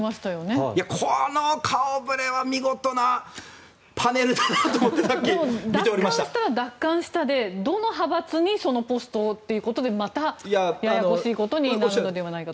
この顔触れは見事なパネルだなと思って奪還したら奪還したでどの派閥にそのポストをっていうことでまたややこしいことになるのではないかと。